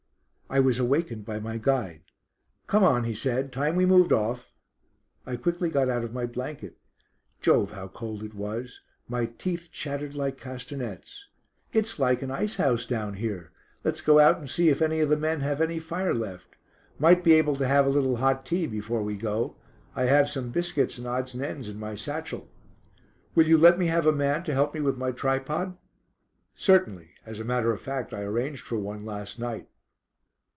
I was awakened by my guide. "Come on," he said; "time we moved off." I quickly got out of my blanket. Jove, how cold it was! My teeth chattered like castanets. "It's like an ice house down here; let's go out and see if any of the men have any fire left. Might be able to have a little hot tea before we go. I have some biscuits and odds and ends in my satchel." "Will you let me have a man to help me with my tripod?" "Certainly, as a matter of fact I arranged for one last night."